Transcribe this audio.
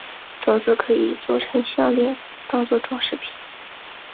种子可以作成项炼当作装饰品。